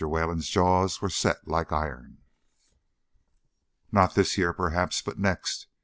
Wayland's jaws were set like iron. "Not this year perhaps, but next.